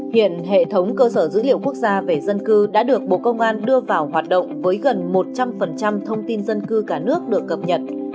hiện hệ thống cơ sở dữ liệu quốc gia về dân cư đã được bộ công an đưa vào hoạt động với gần một trăm linh thông tin dân cư cả nước được cập nhật